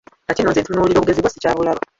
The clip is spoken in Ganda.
Kati nno nze ntunuulira obugezi bwo sikyabulaba.